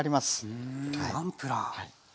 うんナンプラー。